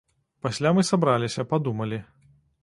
Пасля мы сабраліся падумалі.